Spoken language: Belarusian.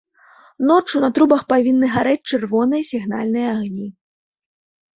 Ноччу на трубах павінны гарэць чырвоныя сігнальныя агні.